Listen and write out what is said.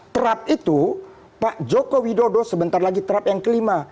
terap itu pak joko widodo sebentar lagi terap yang kelima